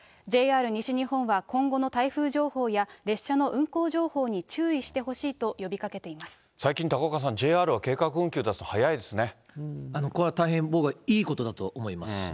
ＪＲ西日本は今後の台風情報や列車の運行情報に注意してほしいと最近、高岡さん、これは大変、僕はいいことだと思います。